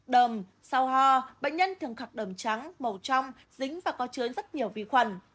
đầm sau hoa bệnh nhân thường khắc đầm trắng màu trong dính và có chứa rất nhiều vi khuẩn